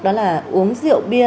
đó là uống rượu bia